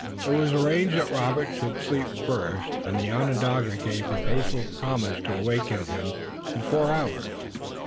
It was arranged that Robert should sleep first and the Onondaga gave his faithful promise to awaken him in four hours.